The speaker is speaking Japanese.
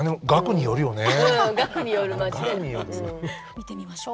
見てみましょう。